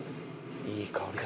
いい香りだ。